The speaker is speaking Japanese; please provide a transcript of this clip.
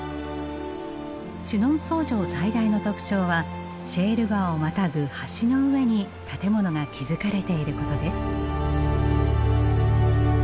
シュノンソー城最大の特徴はシェール川をまたぐ橋の上に建物が築かれていることです。